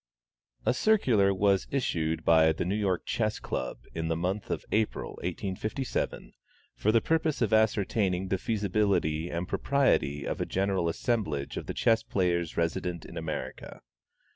A circular was issued by the New York Chess Club, in the month of April, 1857, "for the purpose of ascertaining the feasibility and propriety of a general assemblage of the chess players resident in America."